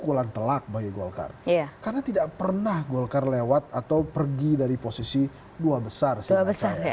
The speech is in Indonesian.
pukulan telak bagi gokar karena tidak pernah gokar lewat atau pergi dari pukulan telak bagi gokar karena tidak pernah gokar lewat atau pergi dari